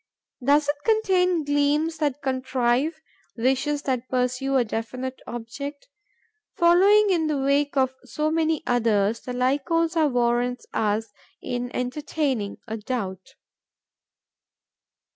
Does it contain gleams that contrive, wishes that pursue a definite object? Following in the wake of so many others, the Lycosa warrants us in entertaining a doubt.